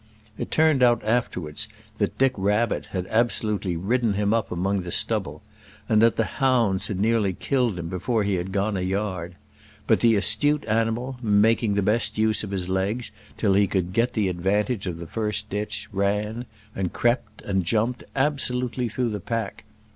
It turned out afterwards that Dick Rabbit had absolutely ridden him up among the stubble, and that the hounds had nearly killed him before he had gone a yard. But the astute animal, making the best use of his legs till he could get the advantage of the first ditch, ran, and crept, and jumped absolutely through the pack.